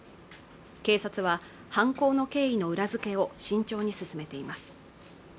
警察は犯行の経緯の裏付けを慎重に進めています